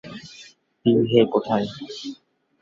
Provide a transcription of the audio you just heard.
Ping হে কোথায়?